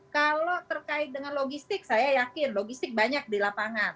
kalau terkait dengan logistik saya yakin logistik banyak di lapangan